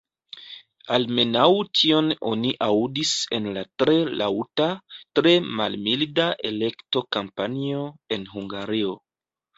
Almenaŭ tion oni aŭdis en la tre laŭta, tre malmilda elekto-kampanjo en Hungario.